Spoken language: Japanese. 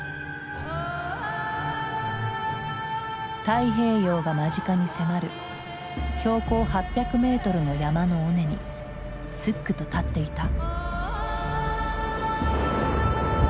太平洋が間近に迫る標高８００メートルの山の尾根にすっくと立っていた。